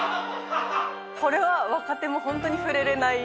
これは若手もホントに触れれない